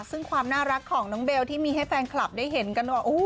ซึ่งความน่ารักของน้องเบลที่มีให้แฟนคลับได้เห็นกันว่า